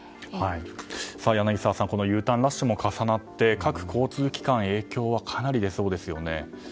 柳澤さん、Ｕターンラッシュも重なって各交通機関への影響はかなり出そうですね。